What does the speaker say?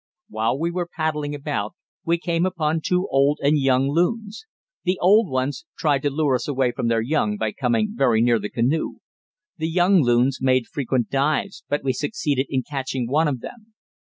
While we were paddling about we came upon two old and two young loons. The old ones tried to lure us away from their young, by coming very near the canoe. The young loons made frequent dives, but we succeeded in catching one of them.